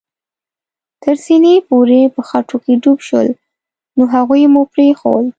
تر سېنې پورې په خټو کې ډوب شول، نو هغوی مو پرېښوول.